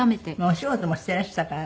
お仕事もしていらしたからね。